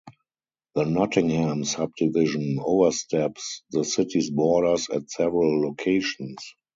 The Nottingham subdivision oversteps the city's borders at several locations.